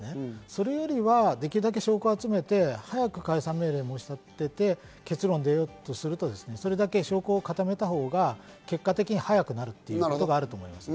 それよりはできるだけ証拠を集めて早く解散命令を申し立てて結論だよとすると、それだけ証拠を固めたほうが結果的に早くなるということがあると思います。